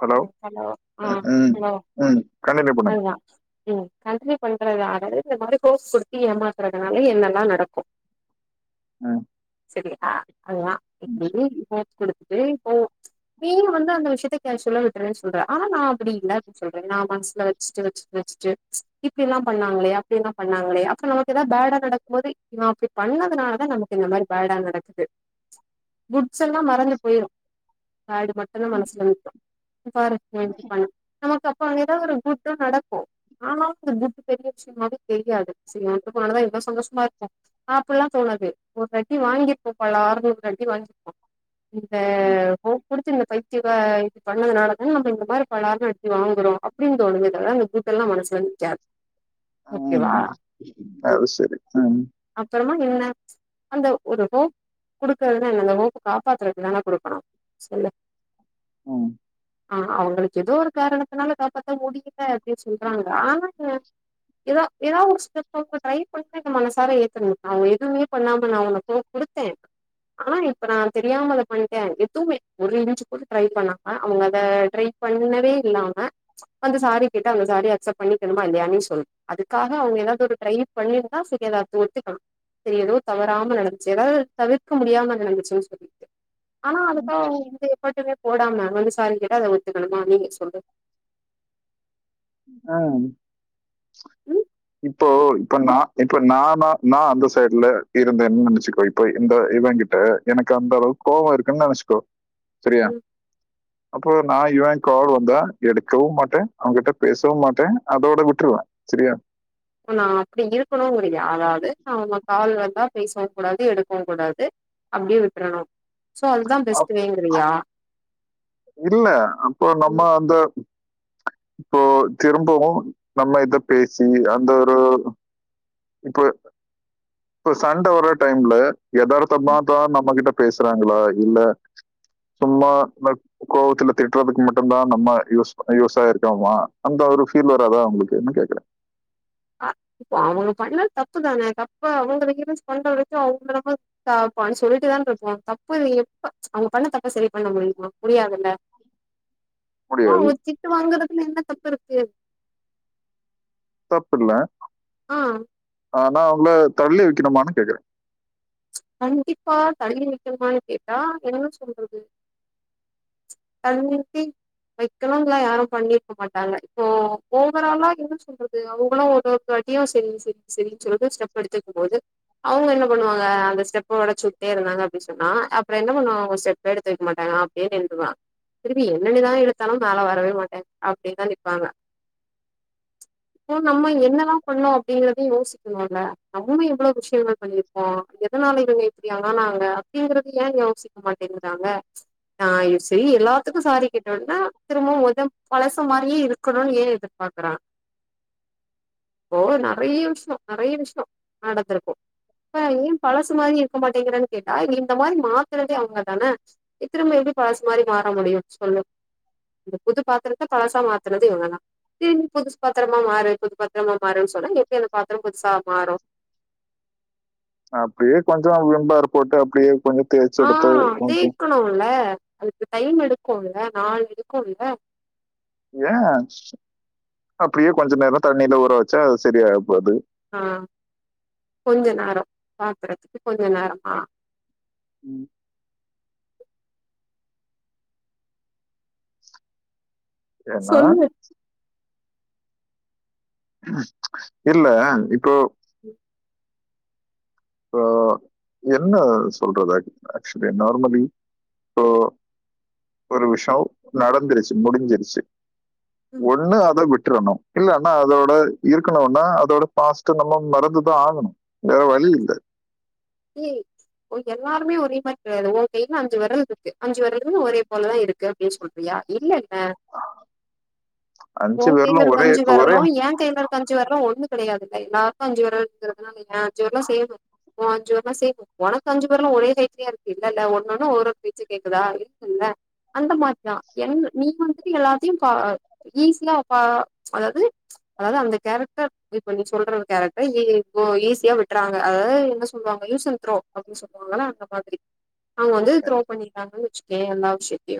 Hello ம் hello continue பண்ணுங்க அதுதா ம் கன்டினியூ பண்றத்த அதாது மாரு கோர்ஸ் குடுத்து ஏமாத்துறதுனால என்னெல்லா நடக்கு மேம் செரி ஆ அதுதா எப்டி எப்டி இப்போ குடுத்துட்டு போவோ நீங்களு வந்து அந்த விஷயத்தை கேஷுவலா விட்டுறேன்னு சொல்ற ஆனா நா அப்டி இல்ல அப்டினு சொல்ற நா மனசு வெச்சுட்டு வெச்சுட்டு வெச்சுட்டு இப் இப்டில்லா அப்டி எல்லா பண்ணாங்களே அப்ப நமக்கு ஏதாது பேடா நடக்கும் போது இவே அப்டி பண்ணதுனால தா நமக் இந்தமாரி பேடா நடக்குது குட்ஸ் எல்லா மறந்து போயிறு பேடு மட்டு்தா மனசுல நிக்கு பாரு இவே இப்டி பண்ணா நமக்கு அப்ப அ ஏதாது ஒரு குட்டா நடக்கு ஆனாலு அந்த குட்டு பெரிய விஷயமாவே தெரியாது செரியா அவே விட்டு போன நாலாதா இவ்ளோ சந்தோஷமா இருக்கோ அப்பெல்லா தோணாது ஒரு அடி வாங்கிப்போ பலர்னு ஒரு அடி வாங்கிப் இந்த ஹோப் குடுத்து இந்த பைத்திய கா இப்டி பண்ணதுனால தா நம்ம இந்த மாரி பலாருன்னு அடி வாங்குறோ அப்டின் தோனுமை தவிர அந்த கூத்தெல்லா மனசுல வந்து நிக்காது ஓகேவா ஆம் அப்றமா என்ன அந்த ஒரு ஹோப் குடுக்றதுனா என்ன அந்த ஹோப் காப்பாத்துறக்கு தானே குடுக்கணு சொல்லு ம் ஆ அவங்களுக்கு ஏதோ ஒரு காரணத்துனால காப்பத்த முடியல அப்டின்னு சொல்றாங்க ஆனா என்ன ஏதா ஏதா ஒன்னு சொல்ல [inaudible] ட்ரை பண்ணிட்டே இருக்கு மனசு கரை ஏத்தனு அவே எதுவுமே பண்ணாம நா ஒனக் கோ குடுத்தே ஆனா இப்ப நா தெரியாம அத பண்டே எதுமே ஒரு இன்ச்சி கூட ட்ரை பண்ணாம அவுங்க அத ட்ரை பண்ணவே இல்லாம வந்து சாரி கேட்டா அந்த சாரி அக்சப்ட் பண்ணிகணுமா இல்லையா நீ சொல் அதுக்காக அவுங்க எதாவது ஒரு ட்ரை பண்ணிருந்தா சுகேலாப் ஒத்துக்கலா சேரி எதோ தவறாம நடந்துச்சு அதாவது தவிர்க்க முடியாம நடந்துச்சுனு சொல்லிட்டு ஆனா அதுக்காக அவுங்க எந்த எஃபட்டுமே போடாம வந்து சாரினு கேட்டா அத ஒத்துக்கணுமா நீனே சொல்லு ஆம் ம் இப்போ இப்ப நா இப்ப நாம நா அந்த சைட்ல இருந்தனு நெனச்சுக்கோ இப்போ இந்த இவ கிட்ட எனக்கு அந்த அளவுக் கோவோ இருக்குனு நெனச்க்கோ சரியா ம் அப்போ நா இவ கால் வந்தா எடுக்கவு மாட்ட அவ கிட்ட பேசவு மாட்ட அதோட விட்ருவ சரியா நா அப்டி இருக்கணுங்கிரியா அதாவது நா அவுங்க கால் வந்தா பேசவு குடாது எடுக்கவு குடாது அப்டே விட்றணு சோ அதுதா பெஸ்ட் அப்- வேங்குறியா இல்ல அப்போ ம் நம்ம அந்த இப்போ திரும்பவு நம்ம இத பேசி அந்த ஒரு இப்ப இப்ப சண்ட வர டைம்ல ம் எதார்த்தமாதா நம்ப கிட்ட பேசறாங்ளா இல்ல சும்மா லவ் கோவத்துல திட்றதுக்கு மட்டுதா நம்ம யூஸ் யூஸ் ஆயிருக்கோமா அந்த ஒரு ஃபீல் வராதா அவுங்களுக்குன்னு கேக்கற அ இப்ப அவங்க பண்ணது தப்பு தானே தப்ப அவங்க ரியலைஸ் பண்ற வரிக்கு அவங்கள நம்ப தாப்பான்னு சொல்லிட்டுதான போன தப்பு எப்ப அவங்க பண்ண தப்ப செரி பண்ண முடியுமா முடியாதுல்ல ஒ முடியாது. ஒரு திட்டு வாங்குறதுல என்ன தப்பு இருக்கு தப்பில்ல ஆ ஆனா அவங்கள தள்ளி வைக்கணுமான்னு கேக்கற கண்டிப்பா தள்ளி வெக்கனுமான்னு கேட்டா என்ன சொல்றது ஆர் யூ திங் வைக்கணும்ல்லா யாரு பண்ணிருக்க மாட்டாங்க இப்போ ஓவராலா என்ன சொல்றது அவுங்களு ஒரு வாட்டியு செரி செரி செரினு சொல்ட்டு ஸ்டெப் எடுத்து வெக்க போது அவுங்க என்ன பண்ணுவாங்க ல அந்த ஸ்டெப்ப ஒடச்சுட்டே இருந்தாங்க அப்டி சொன்னா அப்றோ என்ன பண்ணுவாங்க அவுங்க ஸ்டெப்பே எடுத்து வெக்க மாட்டாங்க அப்டியே நின்றுவா திருப்பி என்னெனுனதா எடுத்தாலு மேல வரவே மாட்ட அப்டின்தா நிப்பாங்க இப்போ நம்ம என்னல்லா பண்ணோ அப்டிங்கறத யோசிக்கணும்ல நம்மளு எவ்ளோ விஷயங்கள் பண்ணிருப் போ எதனால இவங்க இப்படி ஆனாங்க அப்படிங்கறது ஏ யோசிக்க மாட்டேங்கறாங்க நா இ செய் எல்லாத்துக்கு சாரி கேட்டோனா திரும்பவு மொதம் பழச மாரியே இருக்கணும்னு ஏ எதிர் பாக்கறாங் இப்போ நறைய விஷயோ நறைய விஷயோ நடந்துருக்கு இப்ப ஏ பழசு மாரியே இருக்க மாட்டேங்கறன்னு கேட்டா இங்க இந்த மாரி மாத்துறதே அவுங்க தான இத்திரும்ப எப்டி பழசு மாரி மாற முடியு சொல்லு இந்த புது பாத்தரத்த பழசா மாத்துறது இவங்கதா தின் புதுசு பாத்தரமா மாறு புது பாத்தரமா மாறுன்னு சொன்னா எப்டி அந்த பாத்தரோ புதுசா மாறு அப்டே கொஞ்சோ விம் பாரு போட்டு அப்டியே கொஞ்சோ ஆ தேய்க்கணும்ல அதுக்கு டைம் எடுக்கும்ல நாள் எடுக்கும்ல ஏ அப்டியே கொஞ்ச நேரோ தண்ணில ஊற வச்சா அது சரியாவ போது ஆ கொஞ்ச நேரோ பாத்தரதுக்கு கொஞ்ச நேரம் அ ம் ஏனா சொல்லு இல்ல இப்போ ம் சோ என்ன சொல்றது ஆக்சுவலி நார்மலி இப்போ ஒரு விஷவ் நடந்துருச்சு முடிஞ்சிருச்சு ம் ஒண்ணு அத வி ட்ரனு இல்லனா அதோட இருக்கணும்னா அதோட பாஸ்ட்ட நம்ம மறந்துதா ஆகணு வேற வழி இல்ல ஏய் உன்கு எல்லாருமே ஒரே மாரி கிடையாது ஓன் கையில அஞ்சு வெரல் இருக்கு அஞ்சு வெரலுமே ஒரே போலதான் இருக்கு னு சொல்றியா இல்ல அ அஞ்சு ஓன் கய்ல பேர்லும் இருக்க ஒரே அஞ்சு ஒரே வெரலு ஏன் கய்ல இருக் க அஞ்சு வெரலு ஒன்னு கெடையாதுல எல்லார்க்கு அஞ்சு வெரல் இருக்குனு வெய்யே அஞ்சு வெரலும் சேரும் ஓன் அஞ்சு வெர ந செய்ணும் உனக்குஞ்சு வெரலு ஒரே சேப்லயா இருக்கு இல்லல்ல ஒனொன்னு ஒரு ஒரு பேச்ச கேக்குதா இல்ல இல்ல அந்த மாரிதா என் நீ வந்துட்டு எல்லாத்தையு பா ஈஸியா வா அதாவ்து அதாவ்து அந்த கேரக்டர் இப்ப நீ சொல்ற கேரக்டர் ஈஸியா விட்றாங்க அதாவ்து என்ன சொல்வாங்க யூஸ் அன் த்ரோ அப்டின் சொல்வாங்க அந்த மாரி அவங்க வந்து த்ரோ பண்னிட்டாங்கன்னு வச்சுக்கோ தேவல்லா விசயத்தையு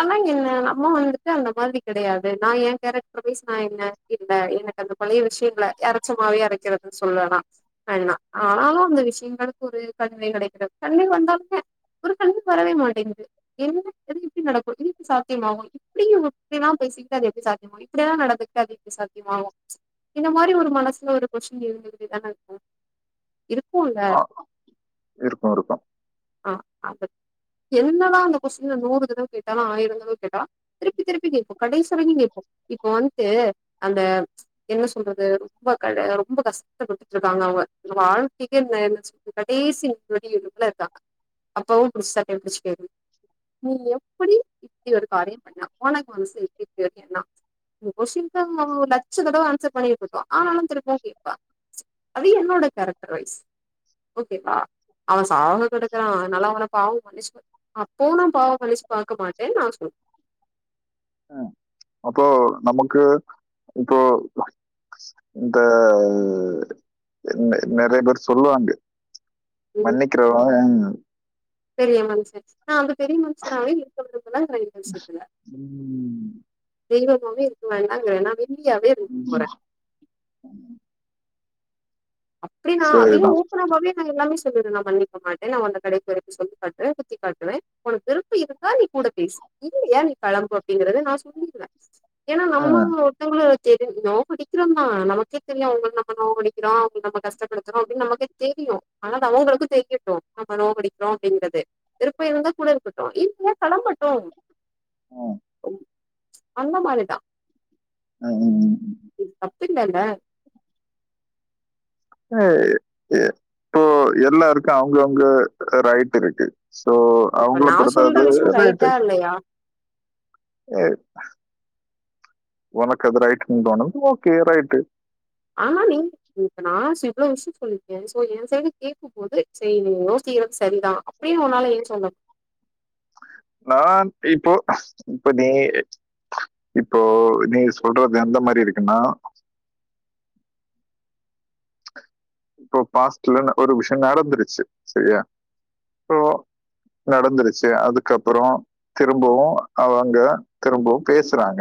ஆனா என்ன நம்ம வந்துட்டு அந்த மாரி கெடையாது நா ஏ கேரக்டர் மீன்ஸ் நா என்ன இல்ல எனக்கு அந்த பழைய விஷயங்கல அறச்ச மாவே அரைக்கறதுன்னு சொல்லனா வேணுண்னா ஆனாலு அந்த விஷய எங்களுக்கு ஒரு கல்வி கெடைக்கிறது கண்வே வந்தாலுங்க ஒரு கல்வி வரவே மாட்டேங்குது என்னது எப்டி நடக்கு இதுக்கு சாத்தியமாகு எப்டி இப்டில்லா பேசிக்கிட்டு அது எப்டி சாத்தியமாகு இப்டியெல்லா நடந்துக்கிட்டா அது எப்டி சாத்தியமாகு இந்த மாரி ஒரு மனசுல ஒரு கொஸின் இருந்துகிட்டுதான இருக்கு இருக்கூல ஆ, வ இருக்கும் இருக்கும் ஆ அ என்னதா அந்த கொஸின நூறு தடவ கேட்டாலு ஆயிர தடவ கேட்டா திருப்பி திருப்பி கேட்போ கடைசிவரைக்கூ கேட்போ இப்ப வந்ட்டு அந்த என்ன சொல்றது ரொம்ப கழ ரொம்ப கஷ்டப்பட்டுட்டு இருக்காங்க அவுங்க வாழ்க்கை என்ன சொ கடைசிடி இப்புல இருக்காங்க அப்பவும் பிடிச்சாட்டைய பிடிச்சு கேட்டு நீ எப்டி இப்டி ஒரு காரியம் பண்ண ஒனக்கு மனசு [unintelligible] என்னா உ கொஷின்கு ஒரு லட்சம் தடவ ஆன்சர் பண்ணிட்டுருக்கோ ஆனாலு திரும்பவு கேப்பா அது என்னோட கேரக்டரரைஸ் ஓகேவா அவன் சாக கெடக்குறான் நல்லா அவன பாவம் மன்னிச் அப்போ நா பாவம் பழிச்சு பாக்க மாட்டேன்னு நான் சொல்லுவேன் ம் அப்போ நமக்கு இப்போ இந்த நறைய பேர் சொல்லுவாங்க சொல்லுவேன் மன்னிக்கிறவ ஓ ன் பெரிய மனுசன் நா அந்த பெரிய மனுசனாவே இருக்க விரும்பலங்ற இந்த விஷயத்துல ம், தெய்வமாவே இருக்க வேண்டாங்ற நா வெள்ளியாவே இருந்துட்டு போற அப்டின்னா அதையு சரிதான் ஓப்பனப்பாவே நா எல்லாமே சொ நா மன்னிக்க மாட்டேன் நான் உன்கிட்ட கடைசிவரைக்கூ சொல்ல மாட்டே குத்தி காட்டுவேன் ஒனக்கு இப்ப இதுக்கா நீ கூட பேசு இல்லியா நீ கெளம்பு அப்படிங்கறத நா சொல்லிடுவ ஏன்னா நம்ம ம், ஒருத்தவங்கள தெரியும நோவ அடிக்கிறோமா நமக்கே தெரியு அவங்கள நம்ம நோவ அடிக்கிறோ அவங்க நம கஷ்டப்படுத்துறோ அப்டின்னு நமக்கு தெரியும் ஆனாலு அவங்களுக்கு தெரியட்டும் நம்ம நோகடிக்கிறோ அப்டிங்கறது விருப்ப இருந்தா கூட இருக்கட்டு இல்லயா கெளம்பட்டு ம், அந்த மாரிதான் அ ம் ம் இது தப்பில்லல [unintelligible] போ எல்லாருக்கு அவங்கவுங்க ரைட் இருக்கு சோ இப்ப அவங்கள நா சொல்ற பொறுத்தது விஷயோ ரைட்டு ரைட்டா இல்லையா ஏ ஒனக்கு அது ரைட்டுனு தோனுது ஓகே ரைட்டு ஆனா நீங் இப்ப நா சோ இவ்ளோ விஷயம் சொல்லிருக்கே சோ என் சைடு கேட்கும் போது செரி நீ யோசிக்கறது சரிதான் அப்டின் ஒன்னால ஏன் சொல்லமுடில நான் இப்போ இப்ப நீ இப்போ நீ சொல்றது எந்த மாரி இருக்குன்னா இப்போ பாஸ்ட்ல ந ஒரு விஷ்யோ நடந்துருச்சு செரியா சோ நடந்துருச்சி அதுக்கப்புறோ திரும்பவு அவுங்க திரும்பவு பேசுறாங்க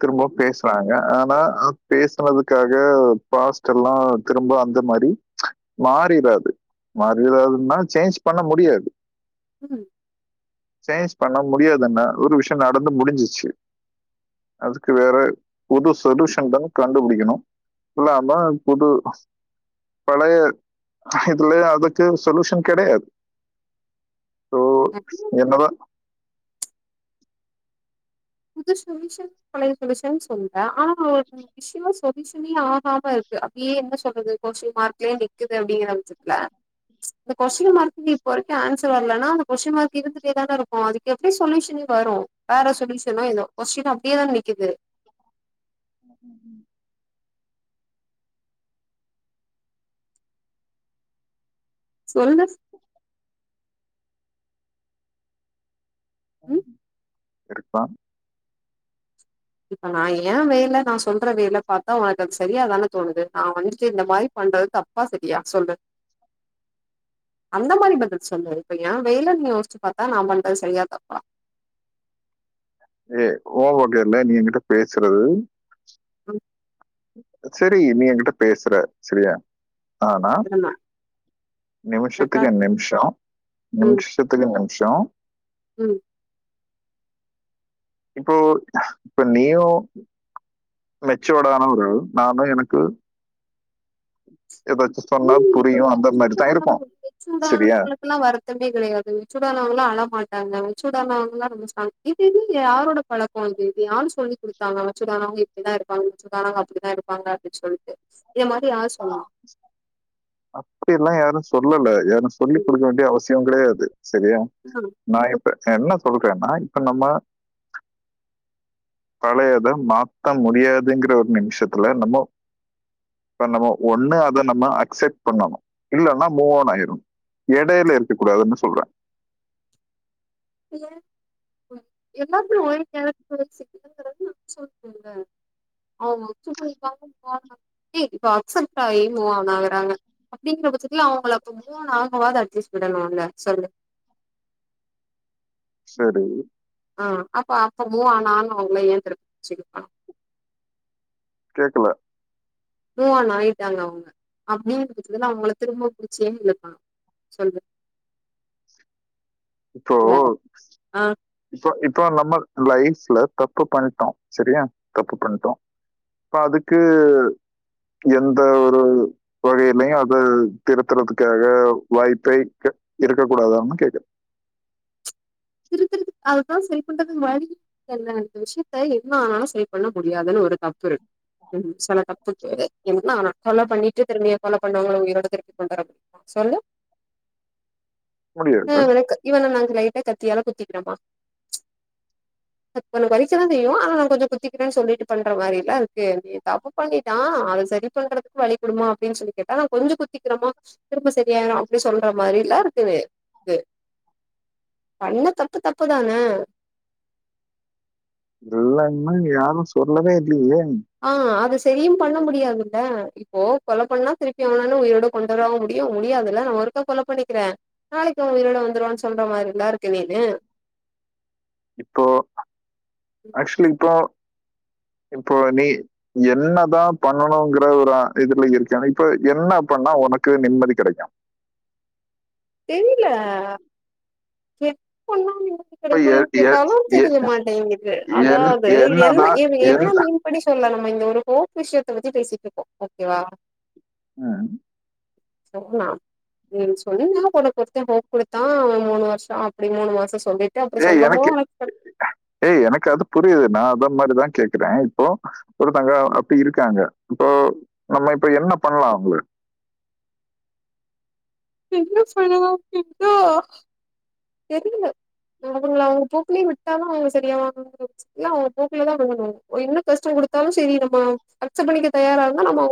திரும்ப பேசுறாங்க ஆனா அத் பேசனதுக்காக பாஸ்ட் எல்லா திரும்ப அந் த மாரி மாறிறாது மாறிறாதுன்னா சேஞ்ச் பண்ண முடியாது ம் சேஞ்ச் பண்ண முடியாதுன்ன ஒரு விஷியோ நடந்து முடிஞ்சிச்சி அதுக்கு வேற புது சொல்யூஷன் தா கண்டுபுடிக்கனு இல்ல ஆமா போட்டு பழைய இதுலய அதுக்கு சொலுஷன் கெடையாது சோ ம். என்னதா புது சொலியூஷன் பழைய சொலியூஷன் சொல்ற ஆனா அவரு விஷ்யமா சொல்யூஷனே ஆகாம இருக்கு அப்டியே என்ன சொல்றது கொஸ்டின் மார்க்லேயே நிக்குது அப்டிங்கற அமச்சி ல இந்த கொஸ்டின் மார்க்குக்கு இப்ப வரைக்கு ஆன்சர் வரலனா அந்த கொஸ்டின் மார்க் இருந்துட்டே தான இருக்கு அதுக் எப்டி சொல்யூஷனே வரு வேற சொல்யூஷனோ ஏதோ கொஸ்டின் அப்டியே தான நிக்கிது [inaudible] சொல்லு ம். ஆமா இருக்லா இப்ப நா ஏ வேல நா சொல்ற வேல பாத்தா உனக்கு அது சரியாதான தோனுது நா வந்துட்டு இந்த மாரி பண்றது தப் பா செரியா சொல்லு அந்த மாரி பதில் சொல்லு இப்ப ஏ வேலன் யோச்சி பாத்தா நா பண்றத் செரியா தப்பா ஏ ஓ வன்டியர்ல நீ எ கிட்ட பேசறது அ செரி நீ எ கிட்ட பேசற செரியா ஆனா திரும்ப நிமிஷத்துக்கு ரெக்கார்ட் நிம்ஷோ ம் நிம்ஷ் துக்கு நிம்ஷோ ம் இப்போ இப்ப நீயு மெச்சியுடானா ஒரு ஆள் நானு எனக்கு எதாச்சி சொன்னா ம் இப்ப புரியு அந்த மாரிதா இருப்போ செரியா பினா வருத்தமே கெடையாது மெச்சுடானாவங்கல்லா அழ மாட்டாங்க மெச்சுடானவங்க எல்லா ரொம்ப ஸ்ட்ராங் இது இது யாரோட பழக்கோ இது இது யாரு. சொல்லி குடுத்தாங்க மெச்சுடானவங்க இப்டிதா இருப்பாங்க மெச்சுடானவங்க அப்டிதா இருப்பாங்க சொல்ட்டு இந்த மாரி யார் சொன்னா அப்டியெல்லா யாரு சொல்லல யாரு சொல்லிக் குடுக்க வேண்டிய அவசியஸ் தியோ கெடையாது சரியா ம் நா இப்ப என்ன சொல்றனா இப்ப நம்ம பழையத மாத்த முடியாதுங்கிற ஒரு நிமிஷத்துல நம்மோ இப்ப நம்ம ஒண்ணு அத நம்ம அக்செட் பண்ணணு இல்லன்னா மூவோன் ஆயிரு எடையில இருக்க கூடாதுன்னு சொல்ற ஏன் எல்லாருமே ஒரு நேரத்து போய் சிக்கதுங்கறது சொல் போவல்ல ஆமா சும்மா ஆக போறாங்க கேக்குதா இப்ப அக்செப்ட் ஆயி மூவான் ஆகறாங்க அப்டிங்கற பச்சத்துல அவுங்கள அப்ப மூவான் ஆக வாது அட்லீஸ் விடனுல்ல சொல்லு சரி ஆ அப்ப அப்ப மூவான் ஆனவங்கள ஏ திருப் செல்லுப்பா கேக்கல மூவான் ஆயிட்டாங்க அவுங்க அப்டின்ற பச்சதுல அவுங்கள திரும்ப புடிச்சியே இல்லப்பா சொல்லு இப்போ இல்ல ஆ இப்போ இப்போ நம்ம லைஃப்ல தப்பு பண்ணிட்டோ செரியா தப்பு பண்ணிட்டோ இப்ப அதுக்கு எந்த ஒரு இப்ப என்னய அதாது திருத்துறத்துக்காக வாய்ப்பே க இருக்க கூடாதான்னு கேக்குற திருத்திருதுக் அதுதா செரி பண்றதுக்கு வழி முன்னாடி நடந்த விஷயத்த என்ன ஆனாலு செரி பண்ண முடியாதுன்னு ஒரு தப்புரு க்குன் சில தப்பு இருக்கு என்னா [unintelligible] கொல்லா பண்ணிட்டு திரும்பி அவ கொல்ல பண்ணவங்கள உயிரோட திருப்பி கொண்டு வரது சொல்லு முடியாது. [unintelligible] இவன நா லைட்டா க த்தியால குத்திக்கிறம்பா உனக் வலிக்கதா செய்யு ஆனா நா கொஞ்சோ குத்திக்கிறேன் சொல்லிட்டு பண்ற மாரி இல்ல அதுக்கு நீ தப்பு பண்ணிட்டா அது செரி பண்றதுக்கு வழி குடுமா அப்டின் சொல்லி கேட்டா நா கொஞ்சு குத்திக்கிறமா திரும்ப செரியாயிரு அப்டி சொல்ற மாரில்லருக்குது பண்ண தப்பு தப்புதான இல்லன்னு இங்க யாரு சொல்லவே இல்லியே ஆ அது செரியு பண்ண முடியாதுல்ல இப்போ கொல பண்ணா திருப்பி எவனான்னு உயிரோட கொண்டரவா முடியு முடியாதுல்ல ஒருக்கா கொலப் பண்ணிக்கிறே நாளைக்கு அவ உயிரோட வந்துருவான் சொல்ற மாரில்லருக்கு நீனு இப்போ ஆக்ஷ்வலி இப்போ இப்போ நீ என்னதா பண்ணணுங்கிற ஒரு அ இதுல இருக்கேனு இப்ப என்ன பண்ணா உனக்கு நிம்மதி கெடைக்கு தெரில செக் பண்ணா என்ன இப்ப எ கெடைக்கனு எ கேட்டாலு எ தெரிய மாட்டேங்கிது என் அதாவது என்ன என்னதான் ஏமி என்ன என் மீன் எப்படி சொல்ல நம்ம இந்த ஒரு ஹோப் விஷ்யத்த பத்தி பேசிட்ருக்கோ ஓகேவா ம் [unintelligible] நீங் சொல்லுங்க [unintelligible] பொறுத்த ஹோப் கொடுத்தா அவ மூணு வர்ஷோ அப்படின்னு மூணு மாசோ சொல்லிட் ஏய் எனக்கு ஏய் எனக் அது புரியுது நா அத மாரிதா கேக்குறே இப்போ ஒருத்தாங்க அப்டி இருக்காங்க இப்போ நம்ம இப்ப என்ன பண்லா அவ்ங்கள என்ன பண்ணுவோம் எதோ தெரியில ம் அவுங்கள அவுங்க போக்குலே விட்டாலு செரியாவாங்களானு தெரில இல்ல அவுங்க போக்குலதா விடணு அவுங் என்ன கஷ்ட குடுத்தாலு செரி நம்ம அக்ஸப் பண்ணிக்க தயாராந்த நம்மோ